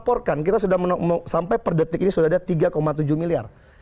pasti bukan perkumpulan golfer